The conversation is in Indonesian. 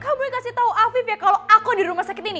kamu boleh kasih tau afif ya kalau aku di rumah sakit ini